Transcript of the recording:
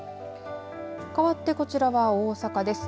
かわってこちらは大阪です。